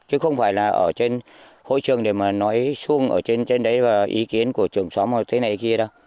chứ không phải là ở trên hội trường để mà nói xuông ở trên trên đấy và ý kiến của trường xóm hoặc thế này kia đâu